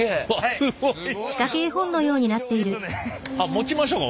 持ちましょうか？